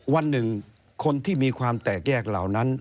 วันหนึ่งคนที่มีความแตกแยกเหล่านั้น